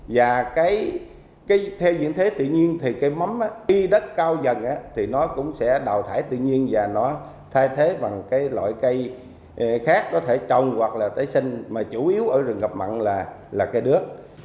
và theo diễn thế tự nhiên thì cây mắm khi đất cao dần thì nó cũng sẽ đào thải tự nhiên và nó thay thế bằng loại cây khác có thể trồng hoặc là tẩy sinh mà chủ yếu ở rừng ngập mặn là cây đứa